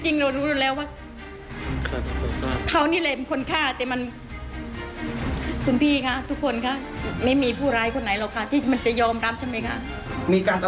สนุนโดยสายการบินไทยนครปวดท้องเสียขับลมแน่นท้อง